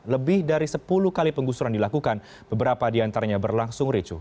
lebih dari sepuluh kali penggusuran dilakukan beberapa diantaranya berlangsung recu